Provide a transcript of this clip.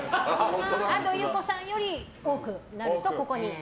安藤優子さんより多くなるとここに。